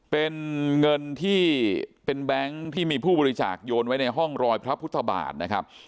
เป็นเงินที่เป็นแบงค์ที่มีผู้บริจาคโยนไว้ในห้องรอยพระพุทธบาทนะครับ